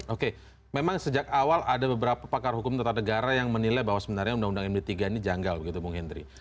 oke memang sejak awal ada beberapa pakar hukum tata negara yang menilai bahwa sebenarnya undang undang md tiga ini janggal begitu bung hendry